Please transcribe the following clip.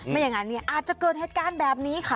ไม่อย่างนั้นอาจจะเกิดเหตุการณ์แบบนี้ค่ะ